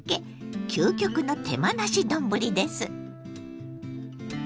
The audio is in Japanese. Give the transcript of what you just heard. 究極の手間なし丼です。